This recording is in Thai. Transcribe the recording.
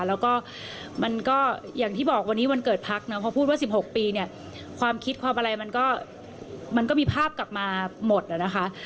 แล้วก็มันก็อย่างที่บอกวันนี้วันเกิดพักเนาะเพราะพูดว่า๑๖ปีเนี่ยความคิดความอะไรมันก็มีภาพกลับมาหมดนะคะ